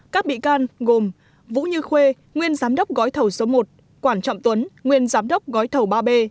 các bị can gồm vũ như khuê nguyên giám đốc gói thầu số một quản trọng tuấn nguyên giám đốc gói thầu ba b